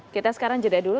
kita sekarang jeda dulu